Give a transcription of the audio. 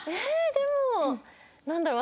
でもなんだろう。